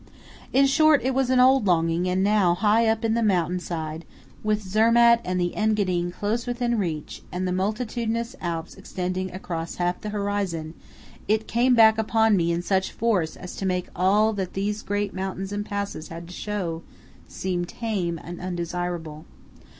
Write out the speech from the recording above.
In short, it was an old longing; and now, high up on the mountain side, with Zermatt and the Engadine close within reach, and the multitudinous Alps extending across half the horizon, it came back upon me in such force as to make all that these great mountains and passes had to show seem tame and undesirable.